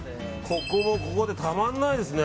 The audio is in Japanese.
ここもここでたまんないですね。